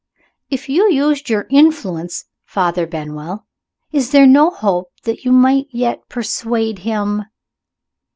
"If you used your influence, Father Benwell, is there no hope that you might yet persuade him